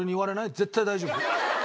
絶対大丈夫？